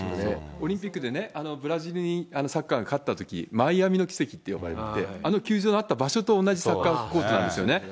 オリンピックでね、ブラジルにサッカーが勝ったときに、マイアミの奇跡って呼ばれて、あの球場のあった場所と同じサッカーコートなんですよね。